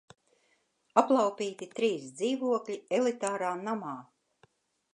Aplaupīti trīs dzīvokļi elitārā namā!